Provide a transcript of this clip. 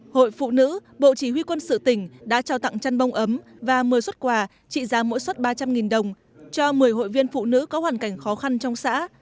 hội phụ nữ bộ chỉ huy quân sự tỉnh đã trao tặng chăn bông ấm và một mươi xuất quà trị giá mỗi xuất ba trăm linh đồng cho một mươi hội viên phụ nữ có hoàn cảnh khó khăn trong xã